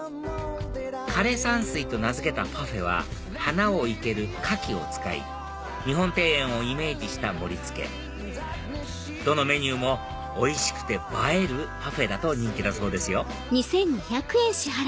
枯山水と名付けたパフェは花を生ける花器を使い日本庭園をイメージした盛り付けどのメニューもおいしくて映えるパフェだと人気だそうですよ